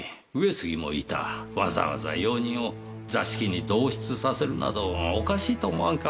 わざわざ用人を座敷に同室させるなどおかしいと思わんか？